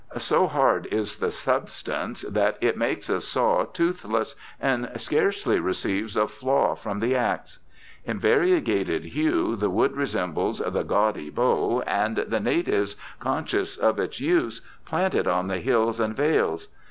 So hard is the substance that it makes a saw toothless and scarcely receives a flaw from the axe. In variegated hue the wood resembles the * gaudy bow ', and the natives, conscious of its use, plant it on the hills and vales.